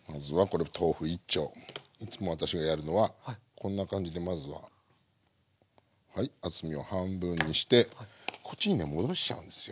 こんな感じでまずははい厚みを半分にしてこっちにね戻しちゃうんですよ。